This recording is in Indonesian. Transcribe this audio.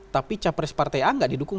tapi capres partai a tidak didapat